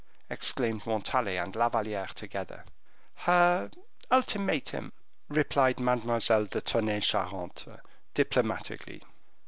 exclaimed Montalais and La Valliere together. "Her ultimatum," replied Mademoiselle de Tonnay Charente, diplomatically.